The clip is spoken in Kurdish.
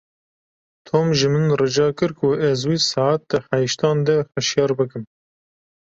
Tom ji min rica kir ku ez wî saet di heştan de hişyar bikim.